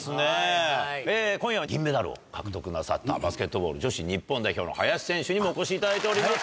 今夜は銀メダルを獲得なさったバスケットボール女子日本代表の林選手にもお越しいただいております。